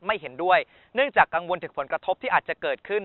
ไม่เห็นด้วยเนื่องจากกังวลถึงผลกระทบที่อาจจะเกิดขึ้น